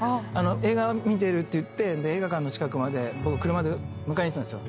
「映画見てる」って言って映画館の近くまで僕車で迎えに行ったんですよ。